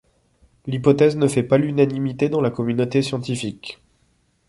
L'hypothèse ne fait pas l'unanimité dans la communauté scientifique.